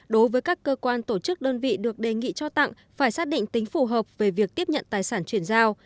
đối với các cơ quan tổ chức đơn vị được đề nghị cho tặng phải xác định tính phù hợp về việc tiếp nhận tài sản chuyển giao